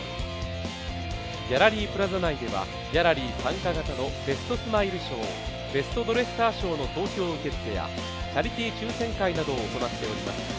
ギャラリープラザ内ではギャラリー参加型のベストスマイル賞ベストドレッサー賞の投票受付やチャリティー抽選会などを行っております。